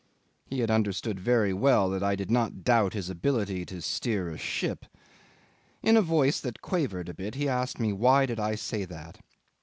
He had understood very well I did not doubt his ability to steer a ship. In a voice that quavered a bit he asked me why did I say that?